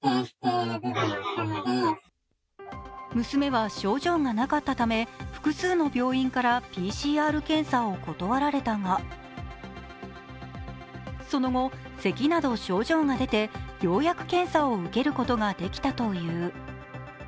娘は症状がなかったため、複数の病院からＰＣＲ検査を断られたがその後、せきなど症状が出て、ようやく検査を受けることができたという。